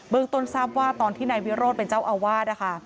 ต้นทราบว่าตอนที่นายวิโรธเป็นเจ้าอาวาส